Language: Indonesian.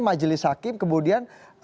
majelis hakim kemudian